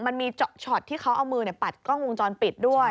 มันมีช็อตที่เขาเอามือปัดกล้องวงจรปิดด้วย